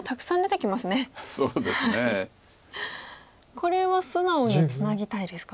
これは素直にツナぎたいですか？